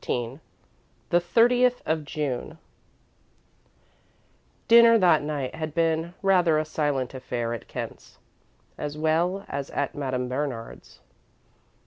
XIV THE THIRTIETH OF JUNE Dinner that night had been rather a silent affair at Kent's, as well as at Madame Bernard's.